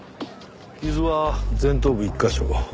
傷は前頭部１カ所。